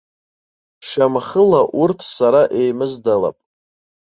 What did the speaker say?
Шьамхыла урҭ сара еимыздалап.